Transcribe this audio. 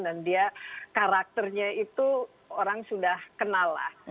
dia karakternya itu orang sudah kenal lah